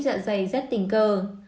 và polip dạ dày rất tình cờ